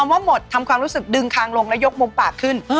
ว่าหมดทำความรู้สึกดึงคางลงแล้วยกมุมปากขึ้น